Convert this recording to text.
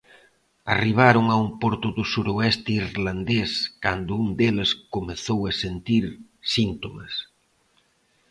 Arribaron a un porto do suroeste irlandés cando un deles comezou a sentir síntomas.